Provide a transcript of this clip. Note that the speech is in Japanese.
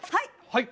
はい！